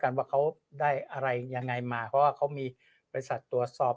ว่าเขาได้อะไรยังไงมาเพราะว่าเขามีบริษัทตรวจสอบ